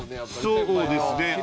そうですね。